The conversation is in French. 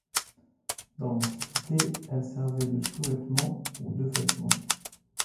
Dans l'Antiquité elle servait de sous-vêtement ou de vêtement.